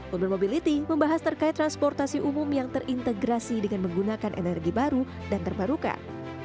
uber mobility membahas terkait transportasi umum yang terintegrasi dengan menggunakan energi baru dan terbarukan